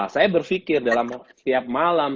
saya berpikir dalam setiap malam